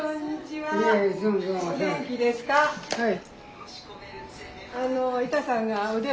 はい。